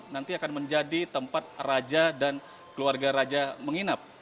nanti akan menjadi tempat raja dan keluarga raja menginap